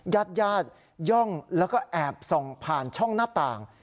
ญาติญาติย่องแล้วก็แอบส่องผ่านช่องหน้าต่าง